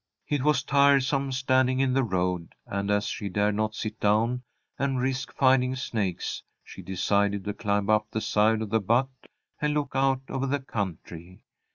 It was tiresome standing in the road, and, as she dared not sit down and risk finding snakes, she decided to climb up the side of the butte and look out over the country.